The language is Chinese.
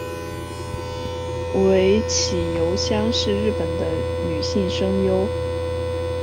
尾崎由香是日本的女性声优。